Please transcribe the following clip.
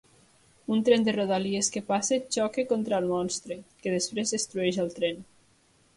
Un tren de rodalies que passa xoca contra el monstre, que després destrueix el tren.